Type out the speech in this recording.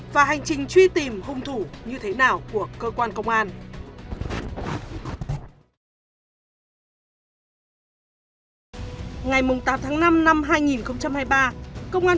và hành trình truy tìm hung thủ như thế nào của cơ quan công an